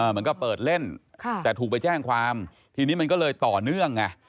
เหมือนกับเปิดเล่นแต่ถูกไปแจ้งความทีนี้มันก็เลยต่อเนื่องไง